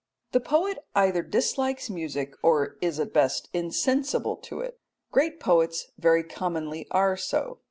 The poet either dislikes music or is at best insensible to it. Great poets very commonly are so.